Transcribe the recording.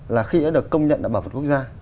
là khi đã được công nhận là bảo vật quốc gia